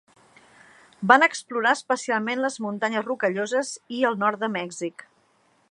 Va explorar especialment les Muntanyes Rocalloses i el nord de Mèxic.